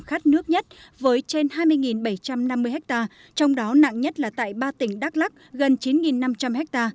khát nước nhất với trên hai mươi bảy trăm năm mươi ha trong đó nặng nhất là tại ba tỉnh đắk lắc gần chín năm trăm linh ha